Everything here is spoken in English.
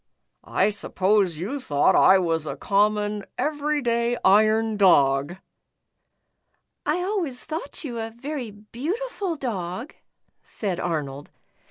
I suppose you thought I was a common, every day iron dog?" *' I always thought you a very beautiful dog," said Arnold.